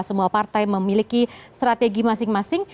semua partai memiliki strategi masing masing